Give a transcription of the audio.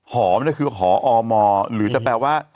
หอมันก็คือหออมหรือจะแปลว่า